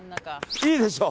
いいでしょう。